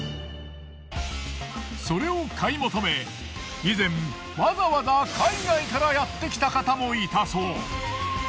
それを買い求め以前わざわざ海外からやってきた方もいたそう。